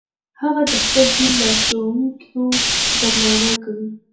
هغه د خپل دین لارښوونکو درناوی کوي.